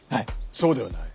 そうではない。